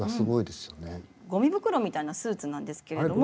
ゴミ袋みたいなスーツなんですけれども。